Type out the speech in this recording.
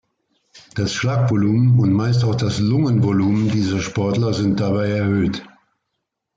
Das Schlagvolumen und meist auch das Lungenvolumen dieser Sportler sind dabei erhöht.